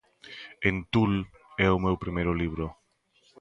'Entull' é o meu primeiro libro.